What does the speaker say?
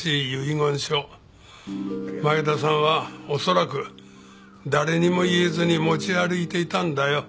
書前田さんは恐らく誰にも言えずに持ち歩いていたんだよ